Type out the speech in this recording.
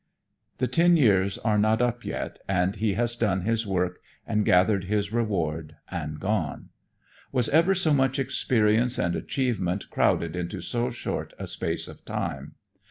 The ten years are not up yet, and he has done his work and gathered his reward and gone. Was ever so much experience and achievement crowded into so short a space of time?